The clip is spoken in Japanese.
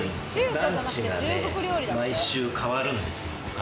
ランチが毎週変わるんですよ。